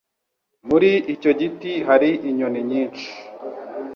Muri icyo giti hari inyoni nyinshi.